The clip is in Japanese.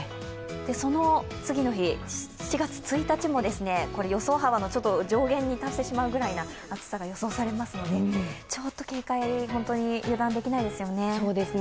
その次の日、７月１日も予想幅の上限に達してしまうくらいな暑さが予想されますのでちょっと警戒、本当に油断できないですよね。